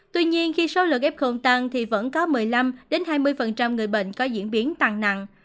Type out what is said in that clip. tuy nhiên khi số lượng ghép không tăng thì vẫn có một mươi năm hai mươi người bệnh có diễn biến tăng nặng